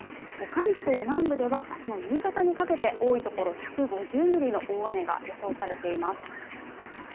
関東南部では明日の夕方にかけて多いところ１５０ミリの雨が予想されています。